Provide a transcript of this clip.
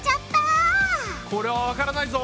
これはわからないぞ！